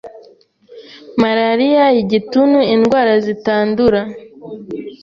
Malariya Igituntu indwara zitandura